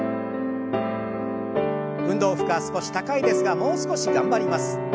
運動負荷少し高いですがもう少し頑張ります。